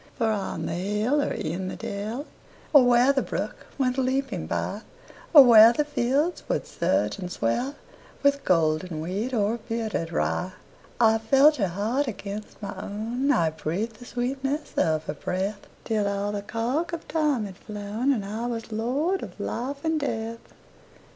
For on the hill or in the dell, Or where the brook went leaping byOr where the fields would surge and swellWith golden wheat or bearded rye,I felt her heart against my own,I breathed the sweetness of her breath, Till all the cark of time had flown, And I was lord of life and death.